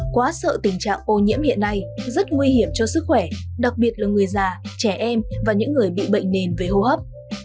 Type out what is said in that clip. quá sợ tình trạng ô nhiễm hiện nay rất nguy hiểm cho sức khỏe đặc biệt là người già trẻ em và những người bị bệnh nền về hô hấp